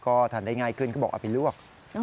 ก็ทานได้ง่ายขึ้นก็บอกเอาไปลวก